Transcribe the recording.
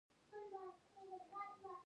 د امنیت ټینګول هم په دندو کې راځي.